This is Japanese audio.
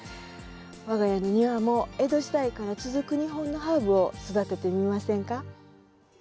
我が家の庭も江戸時代から続く日本のハーブを育ててみませんか？